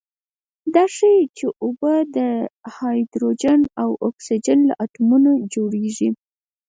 دا ښيي چې اوبه د هایدروجن او اکسیجن له اتومونو جوړې دي.